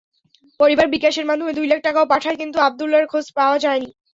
পরিবার বিকাশের মাধ্যমে দুই লাখ টাকাও পাঠায়, কিন্তু আবদুল্লাহর খোঁজ পাওয়া যায়নি।